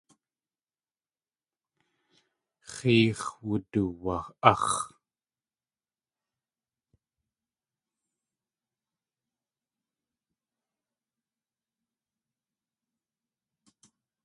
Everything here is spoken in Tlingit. X̲éex̲ wuduwa.áx̲.